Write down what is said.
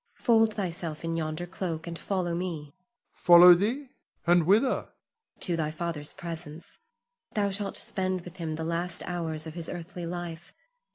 Fold thyself in yonder cloak, and follow me. Ion. Follow thee, and whither? Zuleika. To thy father's presence. Thou shalt spend with him the last hours of his earthly life.